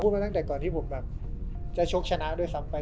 มาตั้งแต่ก่อนที่ผมแบบจะชกชนะด้วยซ้ำไป